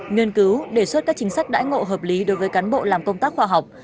nghiên cứu đề xuất các chính sách đãi ngộ hợp lý đối với cán bộ làm công tác khoa học